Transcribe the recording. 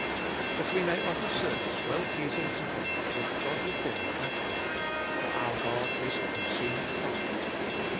That we may offer service well pleasing to God with godly fear and awe : for our God is a consuming fire.